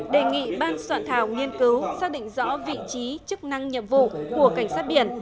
đề nghị ban soạn thảo nghiên cứu xác định rõ vị trí chức năng nhiệm vụ của cảnh sát biển